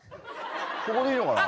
ここでいいのかな？